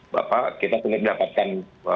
bapak kita sulit mendapatkan